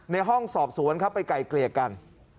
ห้องสอบสวนครับไปไกลเกลี่ยกัน